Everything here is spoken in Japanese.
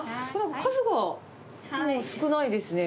数がもう少ないですね。